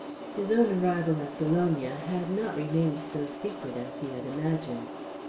His own arrival at Bologna had not remained so secret as he had imagined.